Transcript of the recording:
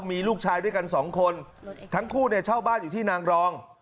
มีลูกชายด้วยกันสองคนทั้งคู่เนี่ยเช่าบ้านอยู่ที่นางรอง